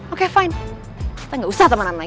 oke fine kita gak usah temenan lagi